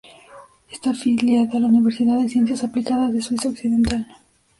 Está afiliada a la Universidad de Ciencias Aplicadas de Suiza Occidental.